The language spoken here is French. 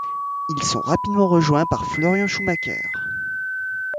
Ils sont rapidement rejoint par Florent Schoumacher.